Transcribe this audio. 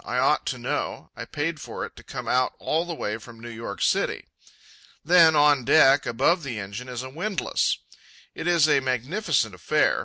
I ought to know. I paid for it to come out all the way from New York City. Then, on deck, above the engine, is a windlass. It is a magnificent affair.